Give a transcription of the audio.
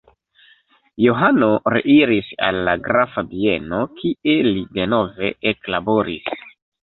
Johano reiris al la grafa bieno kie li denove eklaboris.